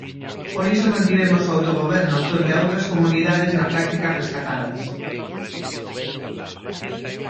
Por iso mantivemos o autogoberno fronte a outras comunidades na práctica rescatadas.